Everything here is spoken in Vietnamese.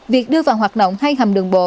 việc đưa vào hoạt động hai hầm đường bộ